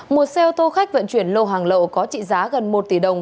một xe ô tô khách vận chuyển lô hàng lậu có trị giá gần một tỷ đồng